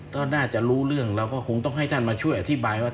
ก็น่าจะรู้เรื่องเราก็คงต้องให้ท่านมาช่วยอธิบายว่า